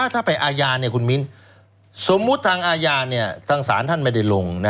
ถ้าไปอาญาคุณมิ้นสมมุติทางอาญาทางศาลท่านไม่ได้ลง